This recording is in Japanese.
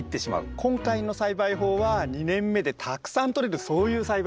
今回の栽培法は２年目でたくさんとれるそういう栽培法です。